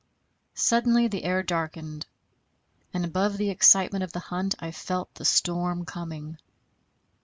Suddenly the air darkened, and above the excitement of the hunt I felt the storm coming.